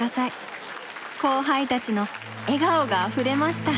後輩たちの笑顔があふれました。